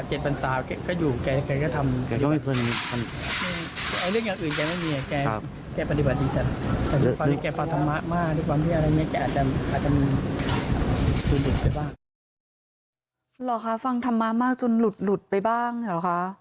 เหรอคะฟังธรรมะมากจนหลุดไปบ้างเหรอคะ